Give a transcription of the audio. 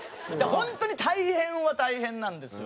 本当に大変は大変なんですよ。